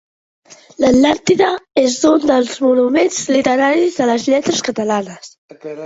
L'Atlàntida és un dels monuments literaris de les lletres catalanes.